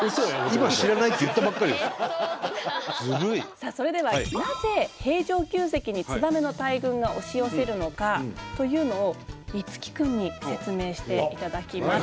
さあそれではなぜ平城宮跡にツバメの大群が押し寄せるのかというのを樹くんに説明していただきます。